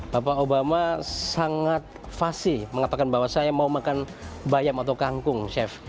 bapak obama sangat fasi mengatakan bahwa saya mau makan bayam atau kangkung chef